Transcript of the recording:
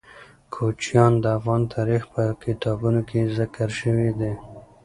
کوچیان د افغان تاریخ په کتابونو کې ذکر شوی دي.